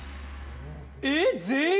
えっ全員？